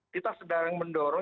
kita sedang mendorong